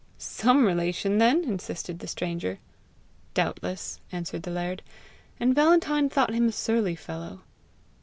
"SOME relation then!" insisted the stranger. "Doubtless," answered the laird, and Valentine thought him a surly fellow.